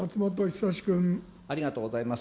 ありがとうございます。